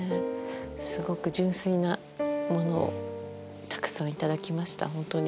すごく純粋なものをたくさん頂きました本当に。